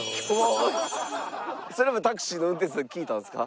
それもタクシーの運転手さんに聞いたんですか？